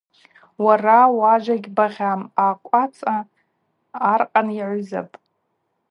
Уара уажва гьбагъьам, ахъваца аркъан йагӏвызапӏ.